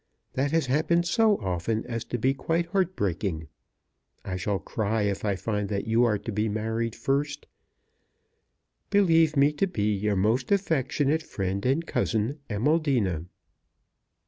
That has happened so often as to be quite heart breaking. I shall cry if I find that you are to be married first. Believe me to be Your most affectionate friend and cousin, AMALDINA.